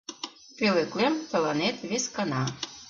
«Пӧлеклем тыланет вескана».